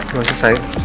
lu yang selesai saya aja